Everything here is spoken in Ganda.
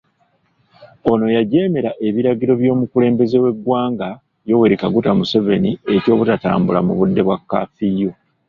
Ono yajeemera ebiragiro by'omukulembeze w'eggwanga Yoweri Kaguta Museveni eky'obutatambula mu budde bwa kafiyu.